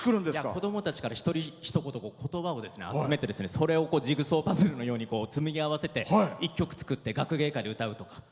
子どもたちから一つ一つことばを集めてそれをジグソーパズルのようにつむぎ合わせて一曲作って学芸会で歌うと。